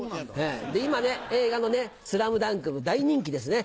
今ね、映画のスラムダンクも大人気ですね。